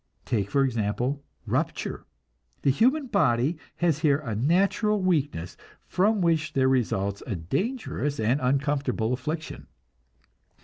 Take, for example, rupture. The human body has here a natural weakness, from which there results a dangerous and uncomfortable affliction.